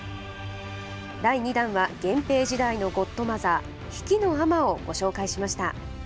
第２弾は源平時代のゴッドマザー、比企尼をご紹介しました。